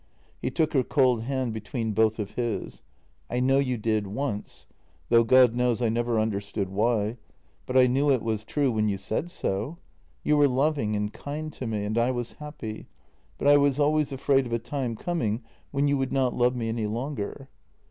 He took her cold hand between both of his: " I know you did once — though, God knows, I never understood why. But I knew it was true when you said so. You were loving and kind to me, and I was happy, but I was always afraid of a time coming when you would not love me any longer."